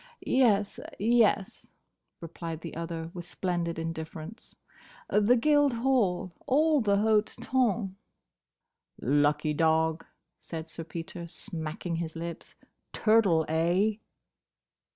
"Yes—yes," replied the other, with splendid indifference. "The Guildhall. All the hote tonn." "Lucky dog," said Sir Peter, smacking his lips: "turtle, eh?"